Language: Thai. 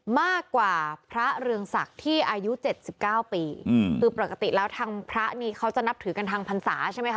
มากกว่าพระเรืองศักดิ์ที่อายุเจ็ดสิบเก้าปีอืมคือปกติแล้วทางพระนี่เขาจะนับถือกันทางพรรษาใช่ไหมคะ